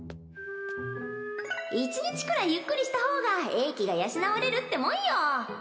１日くらいゆっくりした方が英気が養われるってもんよ！